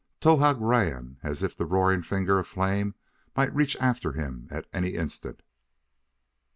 Towahg ran as if the roaring finger of flame might reach after him at any instant.